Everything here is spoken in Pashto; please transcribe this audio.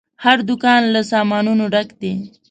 هر دوکان له سامانونو ډک دی.